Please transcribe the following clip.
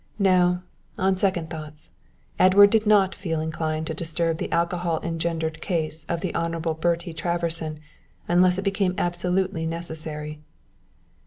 No, on second thoughts, Edward did not feel inclined to disturb the alcohol engendered ease of the Honourable Bertie Traverson unless it became absolutely necessary.